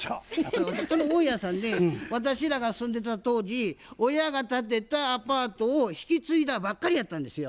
大家さんね私らが住んでた当時親が建てたアパートを引き継いだばっかりやったんですよ。